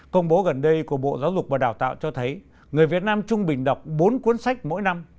công bố gần đây của bộ giáo dục và đào tạo cho thấy người việt nam trung bình đọc bốn cuốn sách mỗi năm